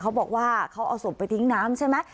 เขาบอกว่าเขาเอาศพไปทิ้งน้ำใช่ไหม